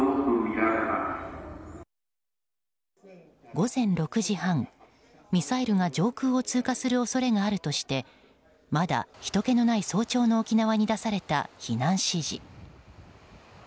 午前６時半、ミサイルが上空を通過する恐れがあるとしてまだ、ひとけのない早朝の沖縄に出された避難指示。